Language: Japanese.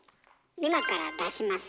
今から出します